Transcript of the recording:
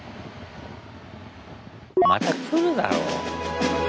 また来るだろう。